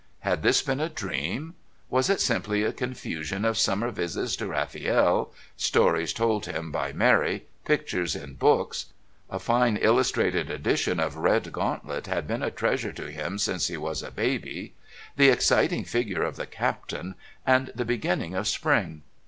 Had this been a dream? Was it simply a confusion of summer visits to Rafiel, stories told him by Mary, pictures in books (a fine illustrated edition of "Redgauntlet" had been a treasure to him since he was a baby), the exciting figure of the Captain, and the beginning of spring?